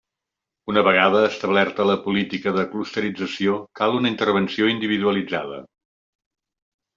Una vegada establerta la política de clusterització, cal una intervenció individualitzada.